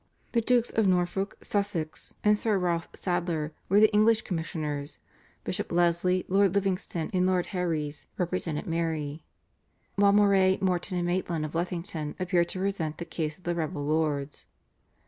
The Dukes of Norfolk, Sussex, and Sir Ralph Sadler were the English commissioners; Bishop Leslie, Lord Livingstone, and Lord Herries represented Mary; while Moray, Morton, and Maitland of Lethington appeared to present the case of the rebel lords.